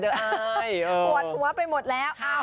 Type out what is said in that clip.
ปวดหัวไปหมดแล้ว